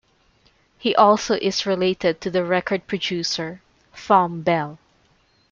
He also is related to the record producer, Thom Bell.